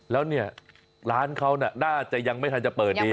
แล้วเนี่ยร้านเขาน่าจะยังไม่ทันจะเปิดดี